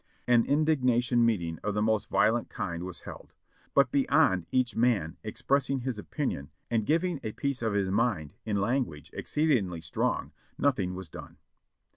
An indignation meeting of the most violent kind was held; but beyond each man expressing his opinion and giving a piece of his mind in language exceedingly strong, nothing was done.